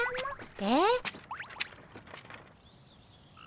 えっ？